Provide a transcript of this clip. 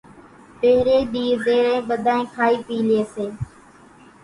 پھرين ۮي زيرين ٻڌانئين کائي پِي لئي سي